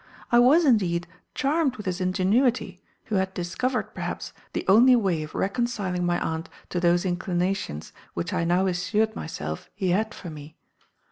I was, indeed, charmed with his ingenuity, who had discovered, perhaps, the only way of reconciling my aunt to those inclinations which I now assured myself he had for me.